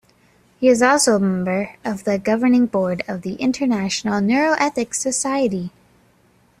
He is also a member of the Governing Board of the International Neuroethics Society.